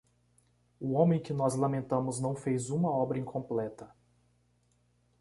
O homem que nós lamentamos não fez uma obra incompleta.